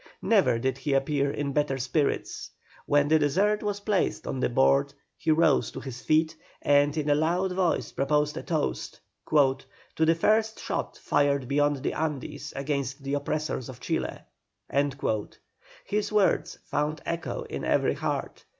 Never did he appear in better spirits. When the dessert was placed on the board he rose to his feet and in a loud voice proposed a toast: "To the first shot fired beyond the Andes against the oppressors of Chile." His words found echo in every heart.